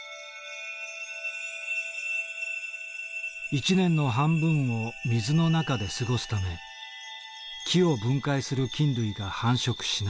一年の半分を水の中で過ごすため木を分解する菌類が繁殖しない。